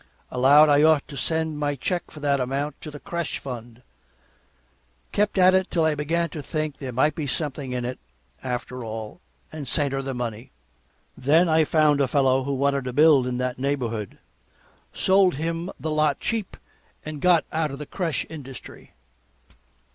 Allowed I ought to send my check for that amount to the crèche fund. Kept at it till I began to think there might be something in it, after all, and sent her the money. Then I found a fellow who wanted to build in that neighborhood, sold him the lot cheap, and got out of the crèche industry.